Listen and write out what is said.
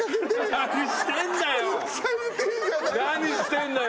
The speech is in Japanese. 何してんだよ。